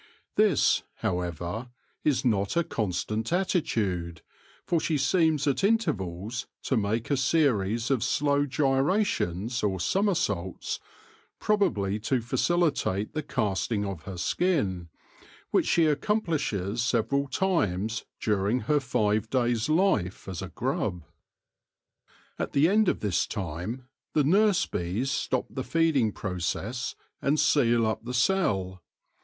This, however, is not a constant attitude, for she seems at intervals to make a series of slow gyrations or somer saults, probably to facilitate the casting of her skin, which she accomplishes several times during her five days' life as a grub. At the end of this time the nurse bees stop the feeding process and seal up the cell.